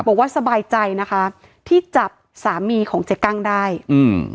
บอกว่าสบายใจนะคะที่จับสามีของเจ๊กั้งได้อืม